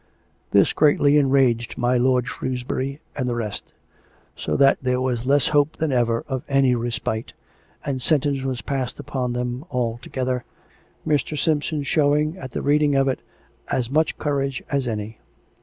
This greatly enraged my lord Shrewsbury and the rest; so that there was less hope than ever of any respite, and sentence was passed upon them all together, Mr. Simpson showing, at the reading of it, as much cour age as any.